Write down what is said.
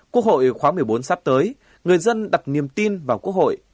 quốc hội khóa một mươi bốn sắp tới người dân đặt niềm tin vào quốc hội